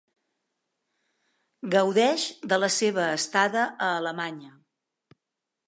Gaudeix de la seva estada a Alemanya.